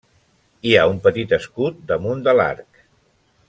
Hi ha un petit escut damunt de l'arc.